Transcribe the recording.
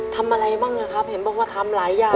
ทำอะไรบ้างอะครับเห็นบอกว่าทำหลายอย่าง